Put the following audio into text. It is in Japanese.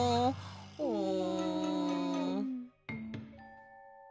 うん。